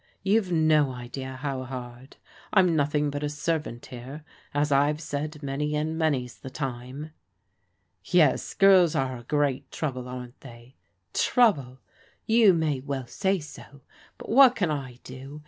You've no idea how hard. I'm nothing but a servant here, as I've said many and many's the time." " Yes, girls are a great trouble, aren't they ?"*' Trouble ! you may well say so. But what can I do